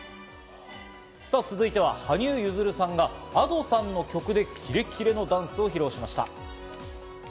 続いては羽生結弦さんがＡｄｏさんの曲でキレキレのダンスを披露しました。